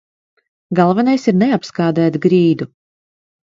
Galvenais ir neapskādēt grīdu.